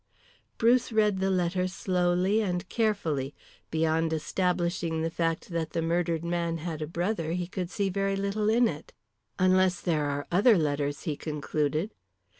Bruce read the letter slowly and carefully. Beyond establishing the fact that the murdered man had a brother he could see very little in it. "Unless there are other letters," he concluded.